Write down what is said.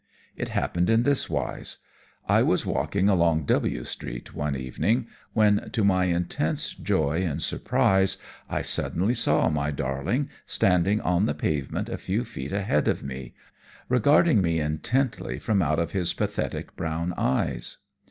It happened in this wise: I was walking along W Street one evening when, to my intense joy and surprise, I suddenly saw my darling standing on the pavement a few feet ahead of me, regarding me intently from out of his pathetic brown eyes.